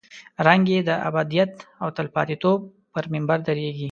رنګ یې د ابدیت او تلپاتې توب پر منبر درېږي.